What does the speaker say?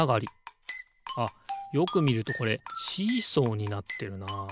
あっよくみるとこれシーソーになってるな。